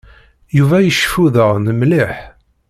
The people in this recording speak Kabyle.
Yuba iceffu daɣen mliḥ.